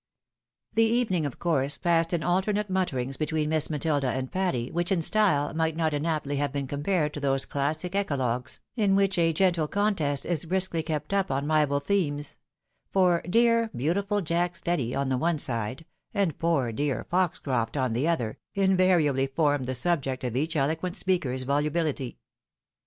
The evening, of course, passed in alternate mutterings be tween Miss Matilda and Patty, which, in style, might not i'naptly have been compared to those classic eclogues, in which a gentle contest is briskly kept up on rival themes ; for " dear, beautiful Jack Steady," on the one side ; and " poor, dear Foxcroft," on the other, invariably formed the subject of each eloquent speak er's volubility.